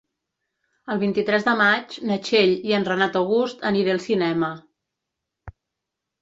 El vint-i-tres de maig na Txell i en Renat August aniré al cinema.